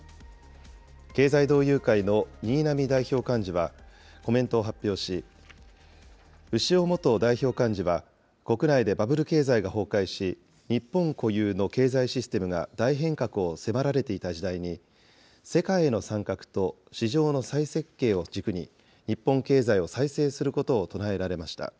経済同友会の新浪代表幹事はコメントを発表し、牛尾元代表幹事は国内でバブル経済が崩壊し、日本固有の経済システムが大変革を迫られていた時代に、世界への参画と市場の再設計を軸に、日本経済を再生することを唱えられました。